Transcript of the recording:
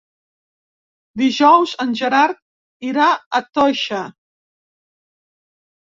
Dijous en Gerard irà a Toixa.